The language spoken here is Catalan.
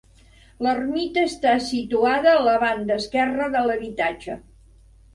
L'ermita està situada a la banda esquerra de l'habitatge.